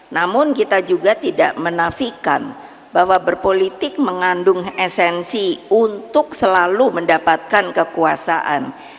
namun kita juga tidak menafikan bahwa berpolitik mengandung esensi untuk selalu mendapatkan kekuasaan